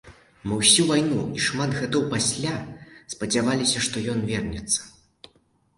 Мы ўсю вайну і шмат гадоў пасля спадзяваліся, што ён вернецца.